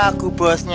ada apaan sih